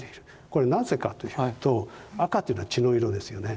これなぜかというと赤というのは血の色ですよね。